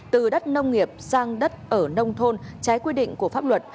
từ đất nông nghiệp sang đất ở nông thôn trái quy định của pháp luật